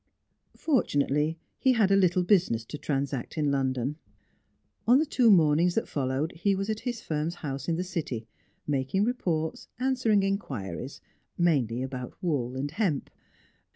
Fortunately, he had a little business to transact in London; on the two mornings that followed he was at his firm's house in the City, making reports, answering inquiries mainly about wool and hemp.